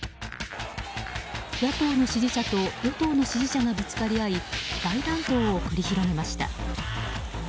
野党の支持者と与党の支持者がぶつかり合い大乱闘を繰り広げました。